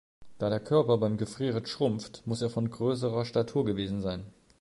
Da der Körper beim Gefrieren schrumpft, muss er von größerer Statur gewesen sein.